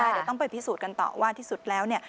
เดี๋ยวต้องไปพิสูจน์กันต่อว่าที่สุดแล้วเนี่ย